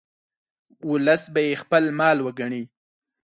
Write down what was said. ولس به یې خپل مال وګڼي.